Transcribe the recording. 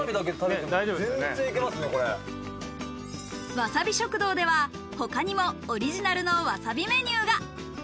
わさび食堂では他にもオリジナルのわさびメニューが。